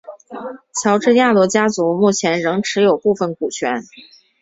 乔治亚罗家族目前仍持有部份股权。